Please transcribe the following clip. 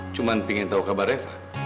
cuma pingin tau kabar reva